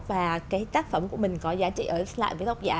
và cái tác phẩm của mình có giá trị ở lại với đọc giả